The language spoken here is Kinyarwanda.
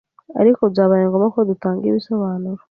Ariko byabaye ngombwa ko dutanga ibisobanuro